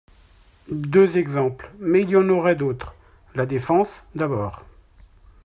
Deux exemples, mais il y en aurait d’autres, la défense, d’abord.